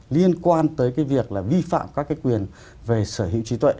liên quan tới cái việc là vi phạm các cái quyền về sở hữu trí tuệ